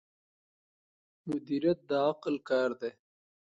مدیریت د عقل کار دی.